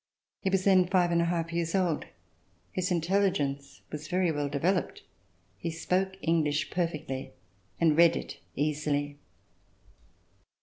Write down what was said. He was then five and a half years old. His intelligence was very well developed. He spoke English perfectly and read it easily.